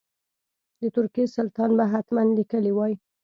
د ترکیې سلطان به حتما لیکلي وای.